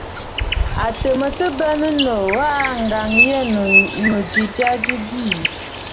À tɨ̀ mə tɨ bə maa nòò aa, ŋ̀gǎŋyəgə̂nnù ji jya ɨ bɨɨ̀.